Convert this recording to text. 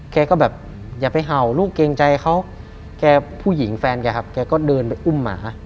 แกก็แบบอย่าไปเห่าลูกเกรงใจเขาแกผู้หญิงแฟนแกครับแกก็เดินไปอุ้มหมา